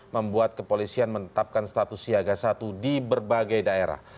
membuat kepolisian menetapkan status siaga satu di berbagai daerah